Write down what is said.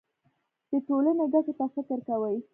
د ټولنې ګټو ته فکر کوي.